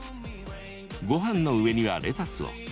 ごはんの上にはレタスを。